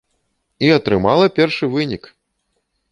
І атрымала першы вынік!